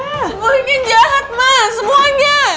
gue bikin jahat ma semuanya